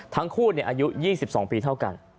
ทั้งคู่อายุ๒๒ปีเท่ากัน